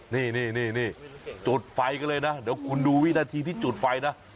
นี่จุดไฟกันเลยนะเดี๋ยวคุณดูวินาทีที่จุดไฟนะ